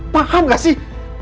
paham gak sih